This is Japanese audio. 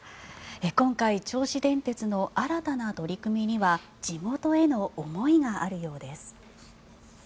今回、銚子電鉄の新たな取り組みには地元への思いがあるようです。